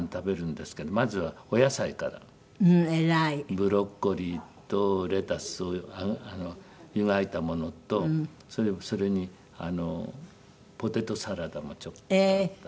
ブロッコリーとレタスを湯がいたものとそれにあのポテトサラダもちょっとあったり。